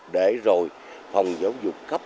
để rồi phòng giáo dục cấp cho tôi